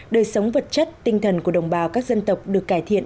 đời sống vật chất tinh thần của đồng bào các dân tộc được cải thiện